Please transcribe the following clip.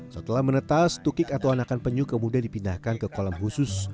setelah menetas tukik atau anakan penyu kemudian dipindahkan ke kolam khusus